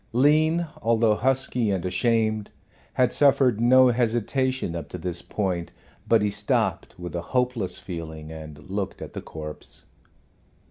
Lean, although husky and ashamed, had suffered no hesitation up to this point, but he stopped with a hopeless feeling and looked at the corpse.